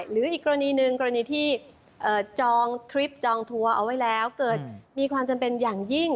หรืออีกกรณีหนึ่งกรณีที่จองทริปจองทัวร์เอาไว้แล้วเกิดมีความจำเป็นอย่างยิ่ง